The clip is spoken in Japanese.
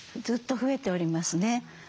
ずっと増えておりますね。